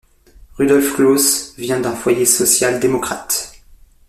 Rudolf Claus vient d'un foyer social-démocrate.